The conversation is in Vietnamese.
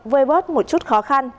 vơi bớt một chút khó khăn